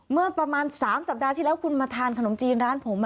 เมื่อประมาณ๓สัปดาห์ที่แล้วคุณมาทานขนมจีนร้านผม